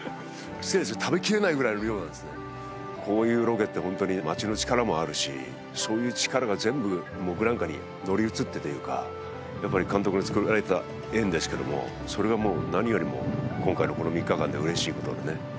失礼ですけど食べきれないぐらいの量なんですこういうロケってホントに街の力もあるしそういう力が全部僕なんかに乗り移ってというかやっぱり監督の作られた縁ですけどもそれがもう何よりも今回のこの３日間で嬉しいことでね